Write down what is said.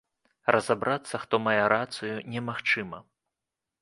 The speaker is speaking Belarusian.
Разабрацца, хто мае рацыю, немагчыма.